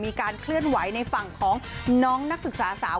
มีการเคลื่อนไหวในฝั่งของน้องนักศึกษาสาว